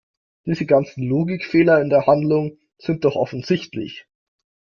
Diese ganzen Logikfehler in der Handlung sind doch offensichtlich!